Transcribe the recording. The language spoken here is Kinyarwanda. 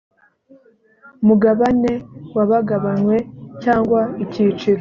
mugabane wagabanywe cyangwa icyiciro